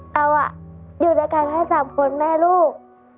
เราอยู่ด้วยกันแค่๓คนแม่ลูก